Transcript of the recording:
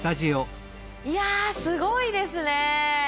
いやすごいですね。